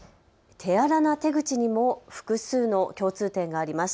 手荒な手口にも複数の共通点があります。